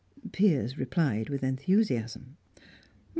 Piers replied with enthusiasm.